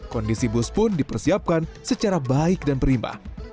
kondisi bus pun dipersiapkan secara baik dan prima